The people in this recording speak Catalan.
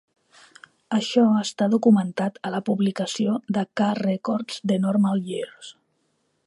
Això està documentat a la publicació de K Records The Normal Years.